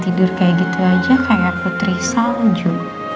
tidur kayak gitu aja kayak putri salju